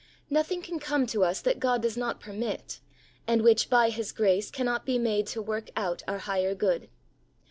Nothing can come to us that God does not permit, and which by His grace cannot be made to work out our higher good.